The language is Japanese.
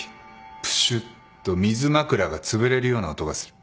プシュッと水枕がつぶれるような音がする。